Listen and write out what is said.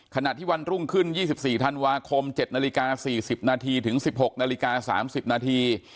ขณะที่วันรุ่งขึ้น๒๔ธันวาคม๗นาฬิกา๔๐นาทีถึง๑๖นาฬิกา๓๐นาที